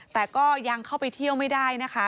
แต่ก็ยังเข้าไปเที่ยวไม่ได้นะคะ